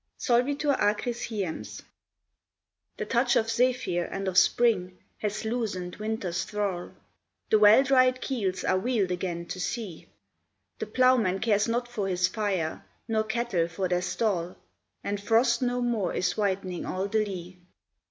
IV. SOLVITUR ACRIS HIEMS. The touch of Zephyr and of Spring has loosen'd Winter's thrall; The well dried keels are wheel'd again to sea: The ploughman cares not for his fire, nor cattle for their stall, And frost no more is whitening all the lea.